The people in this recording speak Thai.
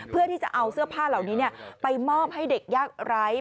เพื่อที่จะเอาเสื้อผ้าเหล่านี้ไปมอบให้เด็กยากไร้